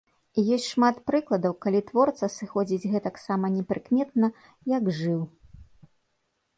І ёсць шмат прыкладаў, калі творца сыходзіць гэтаксама непрыкметна, як жыў.